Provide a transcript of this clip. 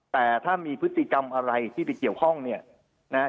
แต่ถ้ามีพฤติกรรมอะไรที่ไปเกี่ยวข้องเนี่ยนะฮะ